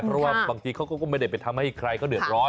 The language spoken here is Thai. เพราะว่าบางทีเขาก็ไม่ได้ไปทำให้ใครเขาเดือดร้อน